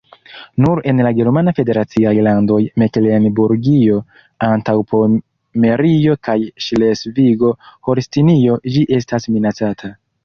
Nur en la germana federaciaj landoj Meklenburgio-Antaŭpomerio kaj Ŝlesvigo-Holstinio ĝi estas minacata.